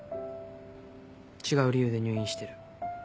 違う理由で入院してる。